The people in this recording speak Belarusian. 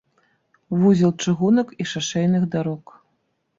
Вузел чыгунак і шашэйных дарог.